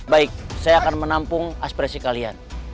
baik saya akan menampung aspirasi kalian